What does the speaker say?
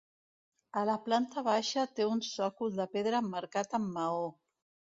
A la planta baixa té un sòcol de pedra emmarcat amb maó.